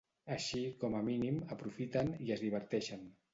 Així, com a mínim, aprofiten i es diverteixen.